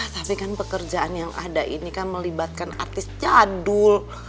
tapi kan pekerjaan yang ada ini kan melibatkan artis jadul